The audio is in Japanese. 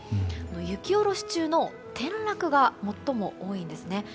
雪下ろし中の転落が最も多いんですね。